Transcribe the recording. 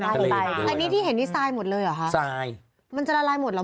ทังนี้ที่เห็นที่ทรายหมดเลยเหรอมันจะละลายหมดแล้ว